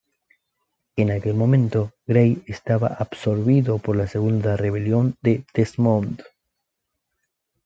En aquel momento, Grey estaba absorbido por la Segunda Rebelión de Desmond.